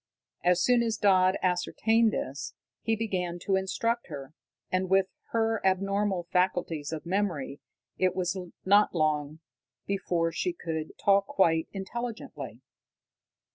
As soon as Dodd ascertained this, he began to instruct her, and, with her abnormal faculties of memory, it was not long before she could talk quite intelligently.